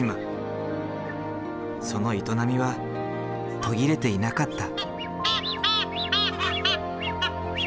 その営みは途切れていなかった。